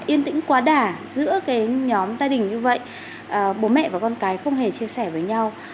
yên tĩnh quá đà giữa nhóm gia đình như vậy bố mẹ và con cái không hề chia sẻ với nhau